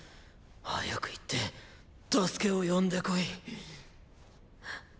早く行って助けを呼んでこい。